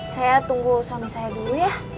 saya tunggu suami saya dulu ya